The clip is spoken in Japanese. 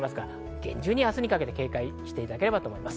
厳重に明日にかけて警戒していただければと思います。